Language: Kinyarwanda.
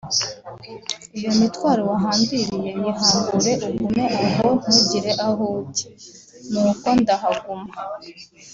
“Iyo mitwaro wahambiriye yihambure ugume aho ntugire aho ujya; nuko ndahaguma